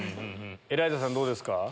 エライザさんどうですか？